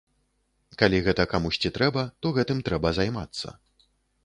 Калі гэта камусьці трэба, то гэтым трэба займацца.